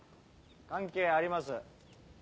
関係あります。